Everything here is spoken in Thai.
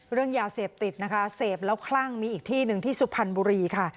เรื่องยาเสพติดนะคะเสพแล้วคลั่งมีอีกที่หนึ่งที่สุพรรณบุรีค่ะ